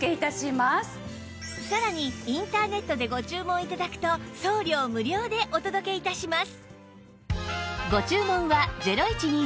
さらにインターネットでご注文頂くと送料無料でお届け致します